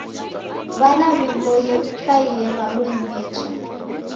W'ana w'iboie w'ikaie w'abonyi mecha.